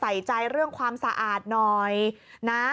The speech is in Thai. ใส่ใจเรื่องความสะอาดหน่อยนะ